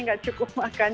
nggak cukup makan